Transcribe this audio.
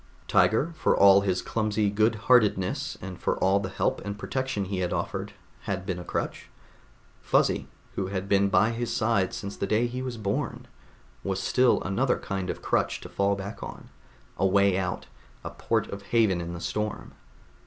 Tiger, for all his clumsy good heartedness and for all the help and protection he had offered, had been a crutch. Fuzzy, who had been by his side since the day he was born, was still another kind of crutch to fall back on, a way out, a port of haven in the storm.